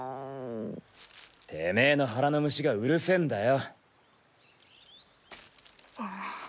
テメェの腹の虫がうるせぇんだよ。